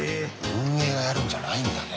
運営がやるんじゃないんだね。